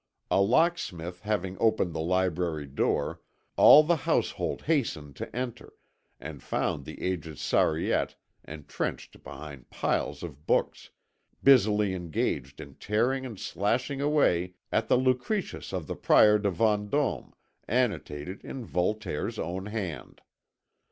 A locksmith having opened the library door, all the household hastened to enter, and found the aged Sariette entrenched behind piles of books, busily engaged in tearing and slashing away at the Lucretius of the Prior de Vendôme annotated in Voltaire's own hand.